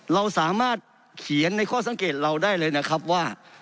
เราสามารถเขียนในข้อสังเกตเราได้เลยนะครับว่า